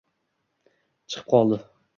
chiqib qoldi!